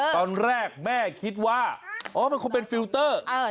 ตอนแรกแม่คิดว่าอ๋อมันคงเป็นฟิลเตอร์